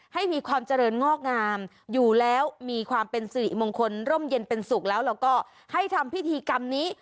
ให้มีความเจริญงอกงามอยู่แล้วมีความเป็นสิริมงคลร่มเย็นเป็นสุขแล้วแล้วก็ให้ทำพิธีกรรมนี้